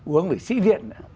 uống vì sĩ diện